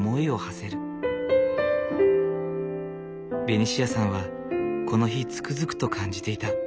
ベニシアさんはこの日つくづくと感じていた。